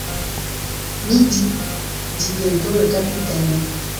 Midi », dit bientôt le capitaine.